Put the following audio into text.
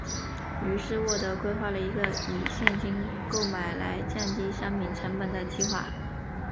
于是沃德规划了一个以现金购买来降低商品成本的计划。